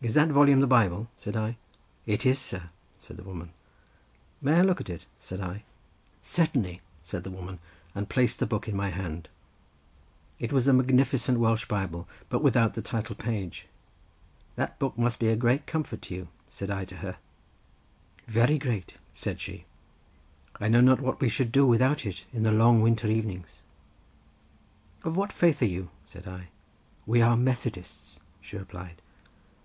"Is that volume the Bible?" said I. "It is, sir," said the woman. "May I look at it?" said I. "Certainly," said the woman, and placed the book in my hand. It was a magnificent Welsh Bible, but without the title page. "That book must be a great comfort to you," said I to her. "Very great," said she. "I know not what we should do without it in the long winter evenings." "Of what faith are you?" said I. "We are Methodists," she replied.